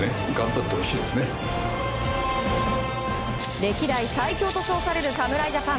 歴代最強と称される侍ジャパン。